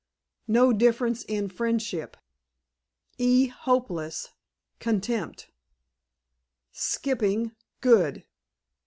"No difference in friendship." "E. hopeless. Contempt." "Skipping—good."